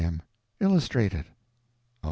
M. Illustrate it.